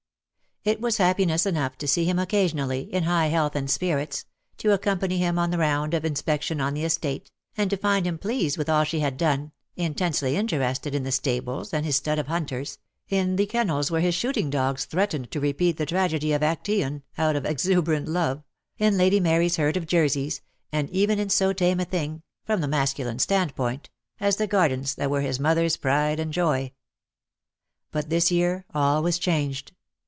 It was happiness enough to see him occasionally, in high health and spirits, to accompany him on a round of inspection on the estate, and to find him pleased with all she had done, intensely interested in the stables and his stud of hunters, in the kennels where his shooting dogs threatened to repeat the tragedy of Actaeon out of exuberant love, in Lady Mary's herd of Jerseys, and even in so tame a thing — from the masculine standpoint — as the gardens that were his mother's pride and joy. But this year all was changed.